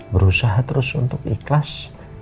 berusaha terus untuk ikhlas